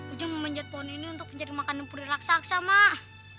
ujang membenjat pohon ini untuk mencari makanan puri raksasa mak